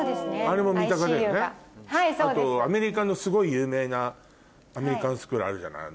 あとアメリカのすごい有名なアメリカンスクールあるじゃない。